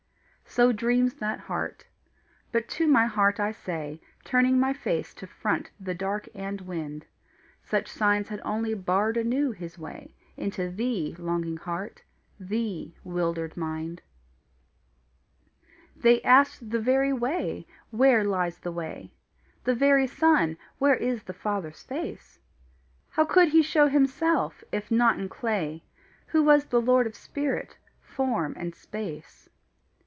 So dreams that heart. But to my heart I say, Turning my face to front the dark and wind: Such signs had only barred anew His way Into thee, longing heart, thee, wildered mind. They asked the very Way, where lies the way; The very Son, where is the Father's face; How he could show himself, if not in clay, Who was the lord of spirit, form, and space.